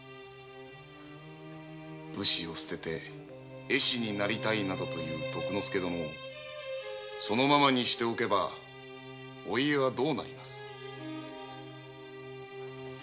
武士を嫌い「絵師になる」と言う徳之助殿をそのままにしておけばお家はどうなります？